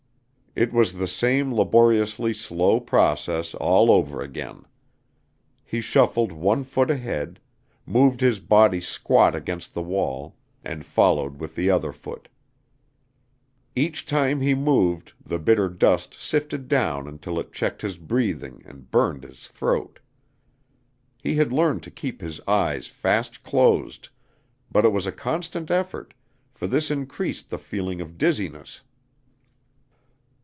It was the same laboriously slow process all over again. He shuffled one foot ahead, moved his body squat against the wall, and followed with the other foot. Each time he moved the bitter dust sifted down until it checked his breathing and burned his throat. He had learned to keep his eyes fast closed, but it was a constant effort, for this increased the feeling of dizziness.